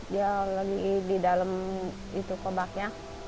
dia lagi di dalam kebaknya